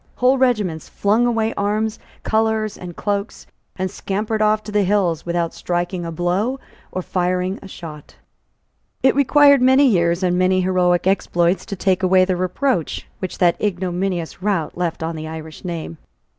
Whole regiments flung away arms, colours and cloaks, and scampered off to the hills without striking a blow or firing a shot, It required many years and many heroic exploits to take away the reproach which that ignominious rout left on the Irish name.